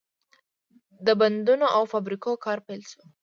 د بندونو او فابریکو کار پیل شو.